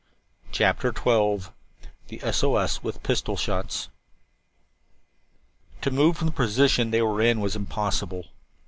CHAPTER XII THE S O S WITH PISTOL SHOTS To move from the position they were in was impossible.